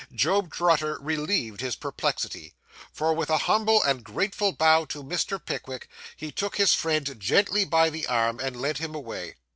Job Trotter relieved his perplexity; for, with a humble and grateful bow to Mr. Pickwick, he took his friend gently by the arm, and led him away.